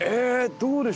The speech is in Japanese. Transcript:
どうでしょう？